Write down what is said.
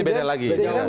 ini beda lagi